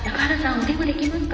お電話できますか？